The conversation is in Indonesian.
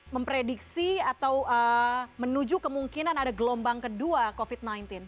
memprediksi atau menuju kemungkinan ada gelombang kedua covid sembilan belas